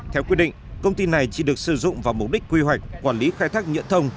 theo quyết định công ty này chỉ được sử dụng vào mục đích quy hoạch quản lý khai thác nhựa thông